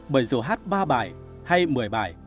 bởi dù hát ba bài hay một mươi bài